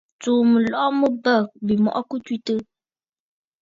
Tsuu mɨlɔ̀ʼɔ̀ mɨ bə̂ bîmɔʼɔ kɨ twitə̂.